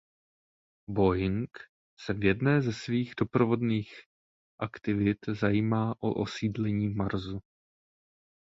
Boeing se v jedné ze svých doprovodných aktivit zajímá o osídlení Marsu.